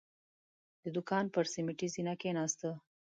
د دوکان پر سيميټي زينه کېناسته.